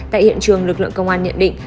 tại hiện trường lực lượng công an nhận định